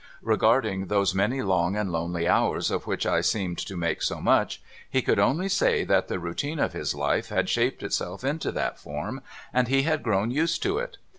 Regarding those many long and lonely hours of which I seemed to make so much, he could only say that the routine of his life had shaped itself into that form, and he had grown used to it.